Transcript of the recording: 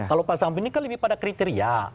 kalau pak samben ini kan lebih pada kriteria